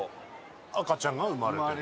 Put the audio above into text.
赤ちゃんが生まれてる。